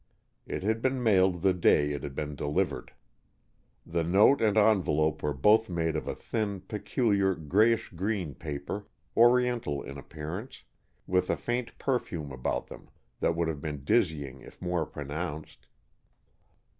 It had been mailed the day it had been delivered. The note and envelope were both made of a thin peculiar grayish green paper, oriental in appearance, with a faint perfume about them that would have been dizzying if more pronounced.